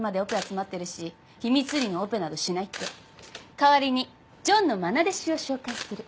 代わりにジョンの愛弟子を紹介する。